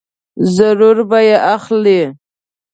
ضرور به یې اخلې !